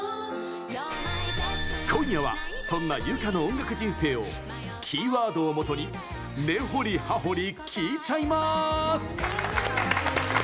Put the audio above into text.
今夜は、そんな有華の音楽人生をキーワードを元に根掘り葉掘り聞いちゃいまーす！